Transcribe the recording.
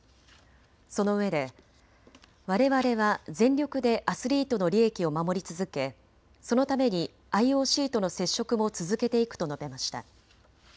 そのうえでわれわれは全力でアスリートの利益を守り続け、そのためにＩＯＣとの接触も続けていくと述べました。